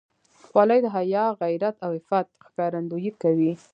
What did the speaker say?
خولۍ د حیا، غیرت او عفت ښکارندویي کوي.